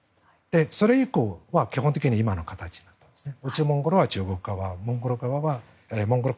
それ以降は基本的に今の形になったんですね。